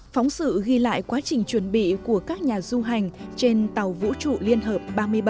phóng sự ghi lại quá trình chuẩn bị của các nhà du hành trên tàu vũ trụ liên hợp ba mươi bảy